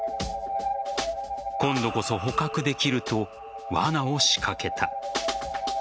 今度こそ捕獲できるとわなを仕掛けた。